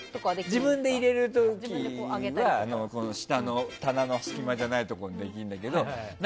自分で入れる時は下の棚の隙間じゃないところにできるんだけど。